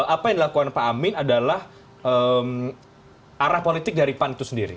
apa yang dilakukan pak amin adalah arah politik dari pan itu sendiri